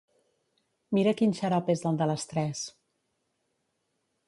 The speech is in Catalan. Mira quin xarop és el de les tres.